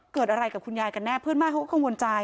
เกิดอะไรกับคุณยายกันแน่เพื่อนบ้านเขาก็กังวลใจ